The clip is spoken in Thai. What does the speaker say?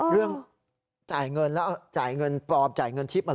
เรื่องจ่ายเงินแล้วจ่ายเงินปลอมจ่ายเงินทิพย์